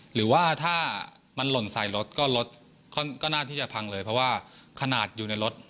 หรือว่าถ้ามันหล่นใส่รถก็รถก็น่าที่จะพังเลยเพราะว่าขนาดอยู่ในรถ